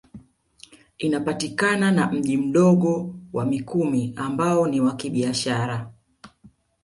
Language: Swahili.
Inapakana na mji Mdogo wa Mikumi ambao ni wa kibiashara